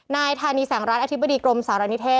นายธานีแสงรัฐอธิบดีกรมสารณิเทศ